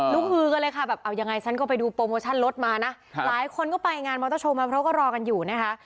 ฮือกันเลยค่ะแบบเอายังไงฉันก็ไปดูโปรโมชั่นรถมานะหลายคนก็ไปงานมอเตอร์โชว์มาเพราะก็รอกันอยู่นะคะ